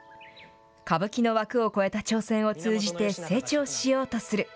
歌舞伎の枠を超えた挑戦を通じて成長しようとする。